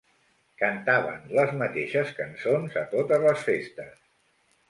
Cantaven les mateixes cançons a totes les festes.